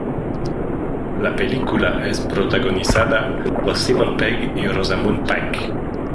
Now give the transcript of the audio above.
La película es protagonizada por Simon Pegg y Rosamund Pike.